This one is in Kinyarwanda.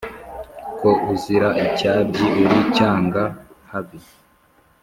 Ko uzira icyabyi uri cyanga-habi